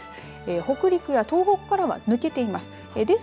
北陸や東北からは抜けています。